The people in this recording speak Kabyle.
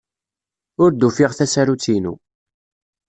Ur d-ufiɣ tasarut-inu.